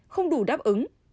không đủ đáp ứng